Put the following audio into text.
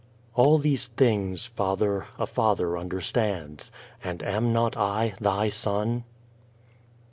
All these things, Father, a father understands; And am not I Thy son